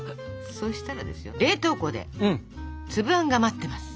そしたらですよ冷凍庫で粒あんが待ってます。